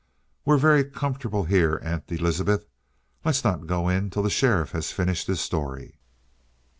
"We're very comfortable here, Aunt Elizabeth. Let's not go in till the sheriff has finished his story."